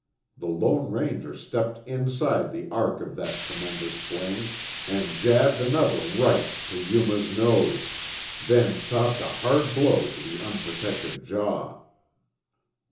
The Lone Ranger stepped inside the arc of that tremendous swing and jabbed another right to Yuma's nose, then chopped a hard blow to the unprotected jaw.